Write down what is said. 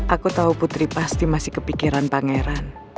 aku tahu putri pasti masih kepikiran pangeran